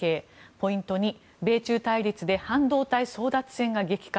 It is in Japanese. ポイント２、米中対立で半導体争奪戦が激化。